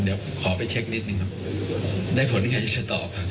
เดี๋ยวขอไปเช็คนิดหนึ่งครับได้ผลยังไงจะตอบ